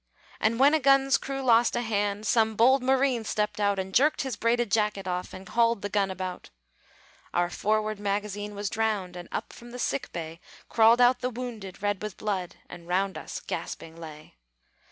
And when a gun's crew lost a hand, Some bold marine stepped out, And jerked his braided jacket off, And hauled the gun about. Our forward magazine was drowned; And up from the sick bay Crawled out the wounded, red with blood, And round us gasping lay.